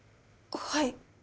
はい。